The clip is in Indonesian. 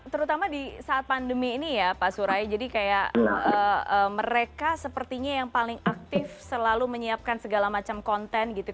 terutama di saat pandemi ini ya pak surai jadi kayak mereka sepertinya yang paling aktif selalu menyiapkan segala macam konten gitu